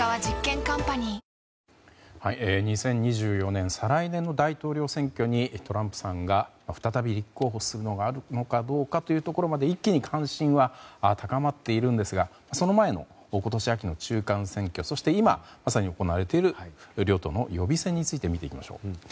２０２４年再来年の大統領選挙にトランプさんが再び立候補することがあるのかどうかというところまで一気に関心は高まっているんですが、その前の今年秋の中間選挙そして今行われている両党の予備選について見ていきましょう。